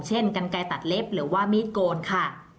เช่นกันไกลตัดเล็บหรือว่ามีดโกนค่ะ